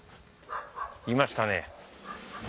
いましたね。